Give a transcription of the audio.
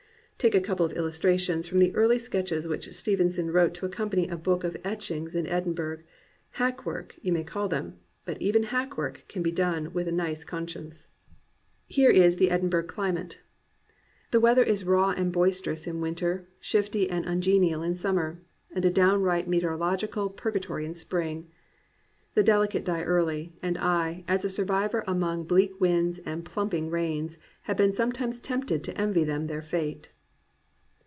Take a couple of illustrations from the early sketches which Stevenson wrote to accompany a book of etchings of Edinburgh, — hack work, you may call them; but even hack work can be done with a nice conscience. 375 COMPANIONABLE BOOKS Here is the Edinburgh climate: "The weather is raw and boisterous in winter, shifty and ungenial in summer, and a downright meteorological purga tory in spring. The delicate die early, and I, as a survivor among bleak winds and plumping rains, have been sometimes tempted to envy them their fate."